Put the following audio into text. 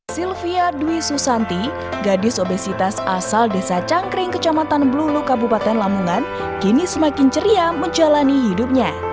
sylvia dwi susanti gadis obesitas asal desa cangkring kecamatan blulu kabupaten lamongan kini semakin ceria menjalani hidupnya